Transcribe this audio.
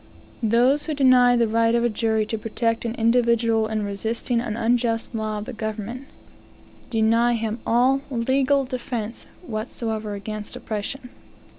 Those who deny the right of a jury to protect an individual in resisting an unjust law of the government, deny him all defence whatsoever against oppression.